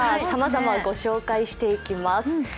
さまざまご紹介していきます。